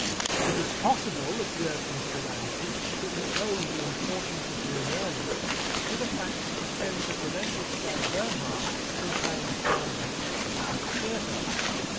"It is possible," observes Mr. Ransome, "that we owe The Importance of Being Earnest to the fact that the Censor prevented Sarah Bernhardt from playing Salomé at the Palace Theatre."